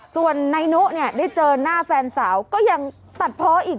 ส่วนนายนุเนี่ยได้เจอหน้าแฟนสาวก็ยังตัดพออีก